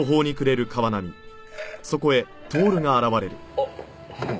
あっ。